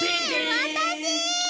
わたし？